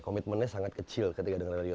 komitmennya sangat kecil ketika dengan radio